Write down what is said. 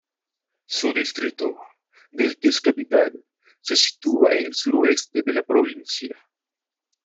Su distrito, del que es capital, se sitúa en el suroeste de la provincia.